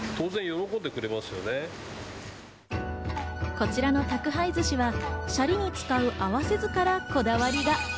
こちらの宅配寿司はシャリに使う、合わせ酢からこだわりが。